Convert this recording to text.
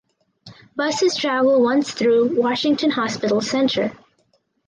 Buses travel once through Washington Hospital Center.